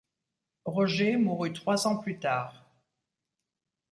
Roger mourut trois ans plus tard.